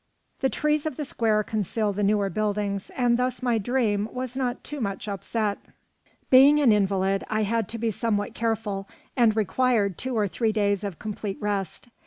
The trees of the square conceal the newer buildings, and thus my dream was not too much upset. Being an invalid, I had to be somewhat careful, and required two or three days of complete rest.